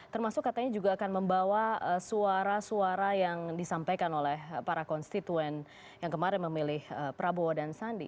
termasuk katanya juga akan membawa suara suara yang disampaikan oleh para konstituen yang kemarin memilih prabowo dan sandi